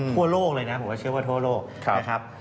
ทั่วโลกเลยนะผมก็เชื่อว่าทั่วโลกนะครับ